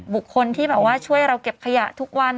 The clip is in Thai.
บุคคลที่บอกว่าช่วยเราเก็บขยะทุกวัน